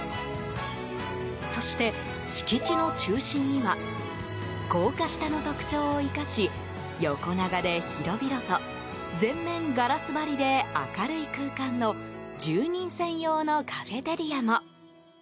そして、敷地の中心には高架下の特徴を生かし横長で広々と、全面ガラス張りで明るい空間の住人専用のカフェテリアも。